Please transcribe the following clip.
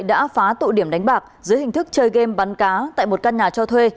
đã phá tụ điểm đánh bạc dưới hình thức chơi game bắn cá tại một căn nhà cho thuê